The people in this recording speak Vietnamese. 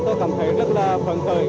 tôi cảm thấy rất là phấn khởi